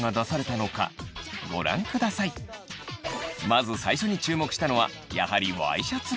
まず最初に注目したのはやはりワイシャツ。